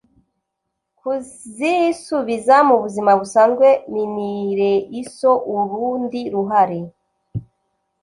kuzisubiza mu buzima busanzwe minireiso urundi ruhare